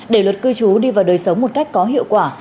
để luật cư trú đi vào đời sống một cách có hiệu quả